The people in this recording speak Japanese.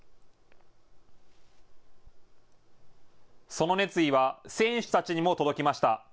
その熱意は選手たちにも届きました。